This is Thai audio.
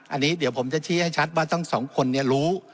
อันนี้เดี๋ยวผมจะชี้ให้ชัดว่าทั้งสองคนรู้